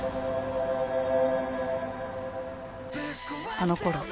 あのころ